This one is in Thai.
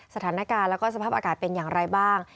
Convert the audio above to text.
สถานการณ์แล้วก็สภาพอากาศเป็นอย่างไรบ้าง